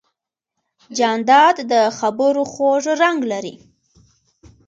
جانداد د خبرو خوږ رنګ لري.